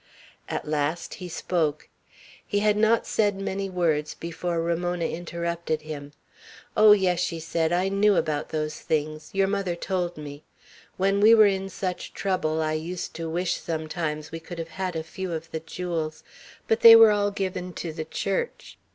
At last he spoke. He had not said many words, before Ramona interrupted him. "Oh, yes!" she said. "I knew about those things; your mother told me. When we were in such trouble, I used to wish sometimes we could have had a few of the jewels. But they were all given to the Church.